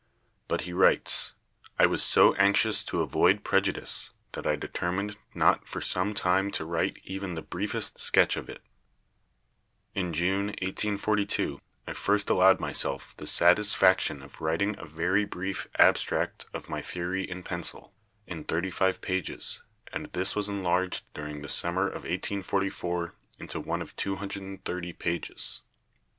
But he writes, "I was so anxious to avoid prejudice that I determined not for some time to write even the briefest sketch of it. In June, 1842, I first allowed myself the satisfaction of writing a very brief abstract of my theory in pencil, in thirty five pages, and this was enlarged during the summer of 1844 into one of 230 pages."